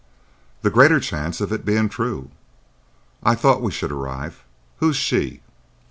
"The greater chance of its being true. I thought we should arrive. Who is she?"